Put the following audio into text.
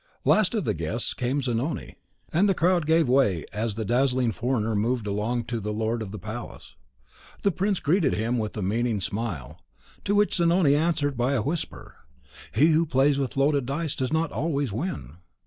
Last of the guests came Zanoni; and the crowd gave way as the dazzling foreigner moved along to the lord of the palace. The prince greeted him with a meaning smile, to which Zanoni answered by a whisper, "He who plays with loaded dice does not always win."